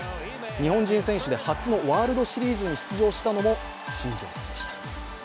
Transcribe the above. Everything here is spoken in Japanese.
日本人選手で初のワールドシリーズに出場したのも新庄さんでした。